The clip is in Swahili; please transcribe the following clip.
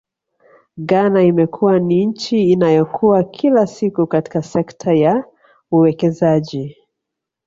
Ghana imekuwa ni nchi inayokua kila siku katika sekta ya uwekezaji